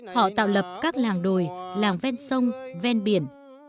họ tạo lập các làng đồi làng ven sông ven biển